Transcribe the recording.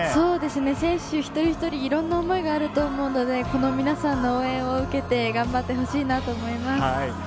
選手一人一人、いろんな思いがあると思うので、この皆さんの応援を受けて頑張って欲しいなと思います。